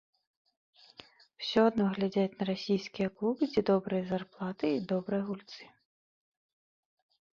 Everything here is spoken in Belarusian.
Усё адно глядзяць на расійскія клубы, дзе добрыя зарплаты і добрыя гульцы.